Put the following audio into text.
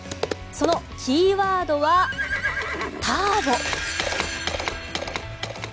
そのキーワードはターボ。